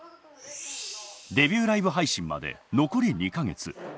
デビューライブ配信まで残り２か月。